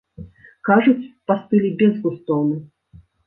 Кажуць, па стылі безгустоўны.